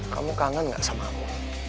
kamu kangen gak sama aku